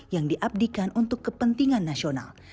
yang diabdikan untuk kepentingan nasional